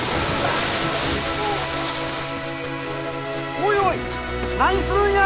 おいおい何するんや！